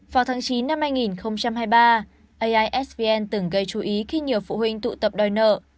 vào tháng chín năm hai nghìn hai mươi ba aisvn từng gây chú ý khi nhiều phụ huynh tụ tập đòi nợ